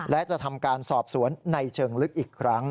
และจะทำการสอบสวนในเชิงลึกอีกครั้ง